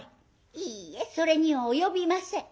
「いいえそれには及びません。